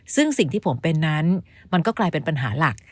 ซึ่งสิ่งที่ผมเป็นนั้นมันก็กลายเป็นปัญหาหลัก